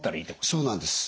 そうなんです。